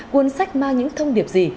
cuốn sách mang những thông điệp gì